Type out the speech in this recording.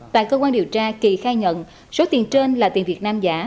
tại cơ quan điều tra kỳ khai nhận số tiền trên là tiền việt nam giả